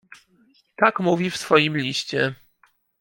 "Tak mówi w swoim liście."